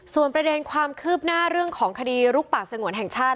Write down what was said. ส่วนประเด็นความคืบหน้าเรื่องของคดีลุกป่าสงวนแห่งชาติ